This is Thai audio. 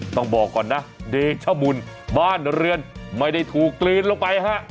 ต้องบอกก่อนนะเดชมุนบ้านเรือนไม่ได้ถูกกลืนลงไปฮะ